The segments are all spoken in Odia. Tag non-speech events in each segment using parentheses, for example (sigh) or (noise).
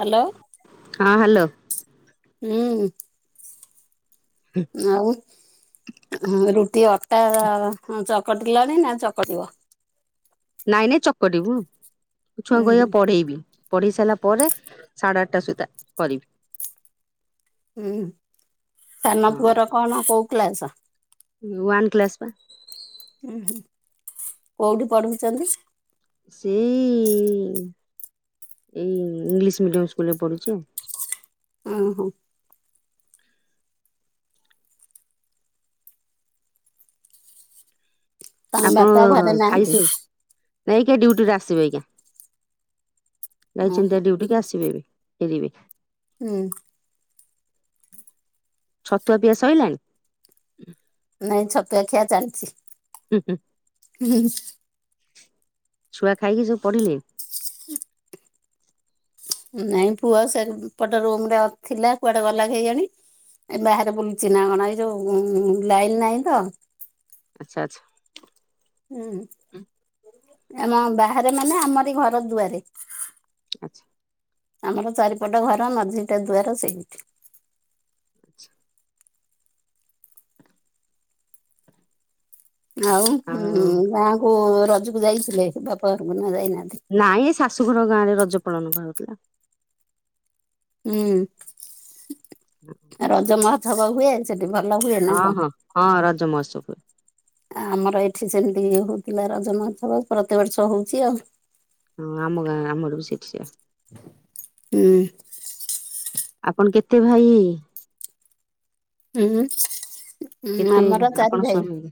ହ୍ୟାଲୋ। ହଁ ହ୍ୟାଲୋ। ହୁଁ। ଆଉ ରୁଟି ଅଟା ଚକଟିଲାଣି ନା ଚକଟିବ? ନାଇଁ ନାଇଁ ଚକଟିବୁ ଛୁଆ ଉୁଁ ହୁଁ କହିବା ପଢେଇବି। ପଢ଼ି ସାରିଲା ପରେ ସାଢ଼େ ଆଠଟା ସୁଦ୍ଧା କରିବି। ହୁଁ ତାନା ପୁରର କଣ କୋଉ କ୍ଲାସ? ୱାନ୍ କ୍ଲାସ୍ ପା। ହୁଁ କୋଉଠି ପଢୁଛନ୍ତି। ସେଇ ଏଇ ଇଂଲିଶ ମିଡିୟମ ସ୍କୁଲରେ ପଢୁଛି ଆଉ। ଓହୋ। ତାଙ୍କ ଆପଣ ବାପା ଘରେ ନାହାନ୍ତି? ଖାଇସ ନାଇକି ଡୁଟିରେ ଆସିବେ ଆଜ୍ଞା ଉଁ ହୁଁ ଯାଇଛନ୍ତି ଡୁଟିକି ଆସିବେ ବି। ଫିଲିମି। ହୁଁ। ଛତୁଆ ପିଆ ସଇଲାଣି। ନାଇଁ ଛତୁଆ ଖିଆ ଚାଲିଛି। ହୁଁ ହୁଁ। ହୁଁ ହୁଁ। ଛୁଆ ଖାଇକି ସବୁ ପଢିଲେ। ନାଇଁ ପୁଅ ସେ ପଟେ ରୁମ ରେ ଥିଲା କୁଆଡେ ଗଲା କେଇଜାଣି। ଏ ବାହାରେ ବୁଲୁଚ ନା କଣ? ଏ ଯୋଉ ଲାଇନ ନାହିଁ ତ। ଆଛା ଆଛା। ହୁଁ ଆମ ବାହାରେ ମାନେ, ଆମର ଘର ଦୁଆରେ। ଆଛା। ଆମର ଚାରିପଟ ଘର ମଝିଟା ଦୁଆର ସେଇଠି। ଆଚ୍ଛା ଆଉ ଆଉ ହୁଁ ଗାଁକୁ ରଜକୁ ଯାଇଥିଲେ ବାପଘରକୁ, ନା ଯାଇନାହାନ୍ତି? ନାଇଁ ଏ ଶାଶୁଘର ଗାଁ ରେ ରଜ ପାଳନ କରାଯାଉଥିଲା। ହୁଁ। (unintelligible) ରଜ ମହୋସବ ହୁଏ, ସେଠି ଭଲ ହୁଏ ନା ହଁ କଣ? ହଁ ହଁ ରଜ ମହୋତ୍ସବ ହୁଏ ଆମର ଏଇଠି ଯେମିତି ହଉଥିଲା ରଜମହୋତ୍ସବ ପ୍ରତିବର୍ଷ ହଉଛି ଆଉ। ହଁ ଆମ ଗାଁ, ଆମଠୁ ବି (unintelligible) ହୁଁ। ଆପଣ କେତେ ଭାଇ? ହୁଁ କେତେ ଆମର ଆପଣ ଚାରି ଭାଇ, ସ୍ୱାମୀ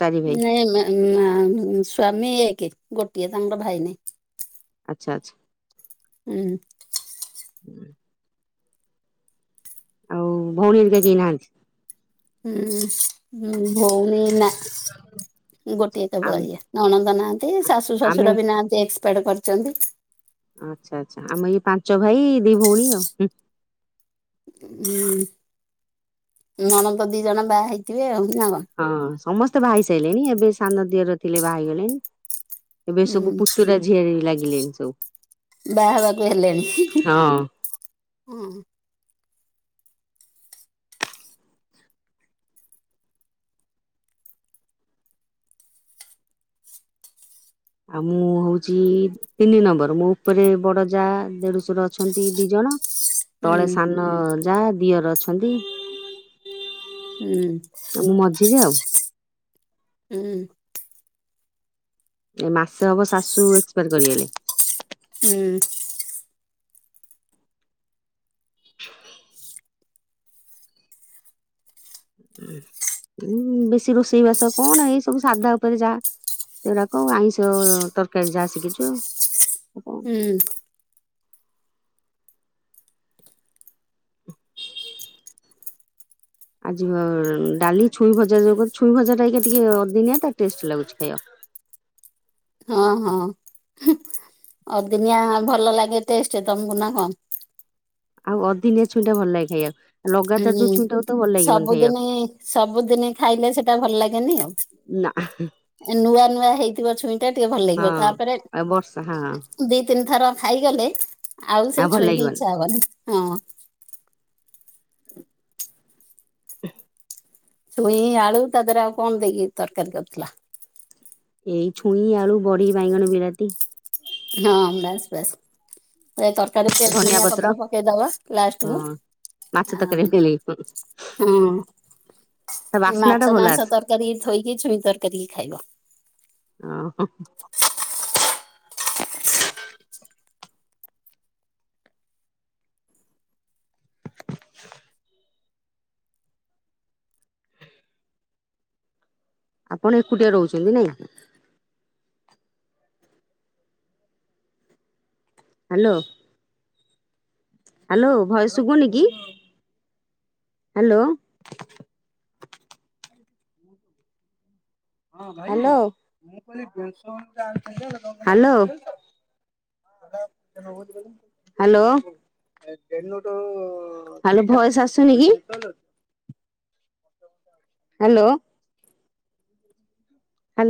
ଚାରି ଭାଇ ନାଇଁ ନା ସ୍ଵାମୀ ଏକେ ଗୋଟିଏ, ତାଙ୍କର ଭାଇ ନାହି। ଆଛା ଆଛା। ଉଁହୁଁ। ଆଉ ଭଉଣୀ ହେରିକାକେହିନାହାନ୍ତି। ହୁଁ ହୁଁ ଭଉଣି ନା। ଗୋଟିଏ କେବଳ ଆମେ ଇଏ, ନଣନ୍ଦ ନାହାନ୍ତି ଶାଶୁ ଆମେ ଶଶୁର ବି ନାହାନ୍ତି ଏକ୍ସଫ୍ଳାଟକରିଛନ୍ତି। ଆଛା ଆଛା ଆମ ଏଇ ପାଞ୍ଚ ଭାଇ ଦି ଭଉଣୀ ଆଉ, ହିଁ। ହୁଁ ନଣଦ ଦି ଜଣ ବାହା ହେଇଥିବେ ଆଉ ନା କଣ? ହଁ ସମସ୍ତେ ବାହା ହେଇସାରିଲେଣି, ଏବେ ସାନ ଦିଅର ଥିଲେ ବାହାହେଇଗଲେଣି। ଏବେ ହୁଁ ସବୁ ପୁତୁରା ଝିଆରି ଲାଗିଲେଣିି ସବୁ। ବାହା ହେବାକୁ ହେଲେଣି ହି ହି ହଁ। ହିଁ। ଆଉ ମୁଁ ହଉଛି ତିନି ନମ୍ବର, ମୋ ଉପରେ ବଡ ଯା ଦେଢଶୁର ଅଛନ୍ତି ଦି ଜଣ। ତଳେ ହୁଁ ସାନ ଯା, ଦିଅର ଅଛନ୍ତି। ହୁଁ। ମୁଁ ମଝିରେ ଆଉ। ହୁଁ। ଏ ମାସେ ହବ ଶାଶୁ ଏକ୍ସପାୟାର କରିଗଲେ। ହୁଁ। (inaudible) ଉଁ ବେଶୀ ରୋଷେଇବାସ କଣ ଏଇ ସବୁ ସାଧା ଉପରେ ଯା। ଏରାକ ଆଇଁଷ ତରକାରୀ ଯାହା ଶିଖିଛୁ। ହୁଁ। ଆଜି ଡାଲି, ଛୁଇ ଭଜା, ଯୋଗୁଛୁଇଁ ଭଜା ଟା ଟିକେ ଅଦିନିଆ ଟେଷ୍ଟ ଲାଗୁଛି ଖାଇବାକୁ। ହଁ ହଁ ହିଅଦିନିଆ ଭଲ ଲାଗେ ଟେଷ୍ଟ ତମକୁ ନା କଣ? ଆଉ ଅଦିନିଆ ଛୁଇଁଟା ଭଲଲାଗେ ଖାଇବାକୁ, ଲଗାତାର ଯେଉଁ ଛୁଇଁଟା ହେଇଥିବ ସବୁଦିନେ, ସବୁଦିନେ ଖାଇଲେ ସେଟା ଭଲ ଲାଗେନି ଆଉ। ନା। ନୂଆ ନୂଆ ହେଇଥିବ ଛୁଇଁ ଟା ଟିକେ ଭଲ ହଁ ଲାଗିବ ତାପରେ ଆଉ ବର୍ଷା ହଁ ଦି ତିନି ଥର ଖାଇଗଲେ ଆଉ ସେ ଭଲ ଛୁଇଁକି ଲାଗିବନି। ଇଚ୍ଛା ହବନି ହଁ। ଛୁଇଁ ଆଳୁ ତା ଦେହରେ ଆଉ କଣ ଦେଇକି ତରକାରୀ କରିଥିଲା? ଏଇ ଛୁଇଁ ଆଳୁ ବଡ଼ି ବାଇଗଣ ବିଲାତି। ହଁ ବାସ୍‌ ବାସ୍‌। ଏରା ତରକାରୀ ଉପରେ ଧଣିଆ ପତ୍ର ପକେଇଦବା ଲାଷ୍ଟ ହଁ କୁ। ମାଛ ତରକାରୀ ଭଲ ଲାଗିବ ଆଁ ହଁ। ତା ବାସ୍ନା ଟା ମାଛ ଭଲ ମାଂସ ଆସେ ତରକାରୀ ଥୋଇକି ଛୁଇଁ ତରକାରୀ ଖାଇବ। ଆଁ ହଁ। (inaudible) (inaudible) ଆପଣ ଏକୁଟିଆ ରହୁଛନ୍ତି ନାଁ? ହ୍ୟାଲୋ। ହ୍ୟାଲୋ ଭଏସ୍‌ ଶୁଭୁନି କି hello. Hello hello. (inaudible) Hello hello voice ଆସୁନି କି? ହ୍ୟାଲୋ। ହ୍ୟାଲୋ